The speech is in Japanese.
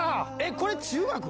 これ中学？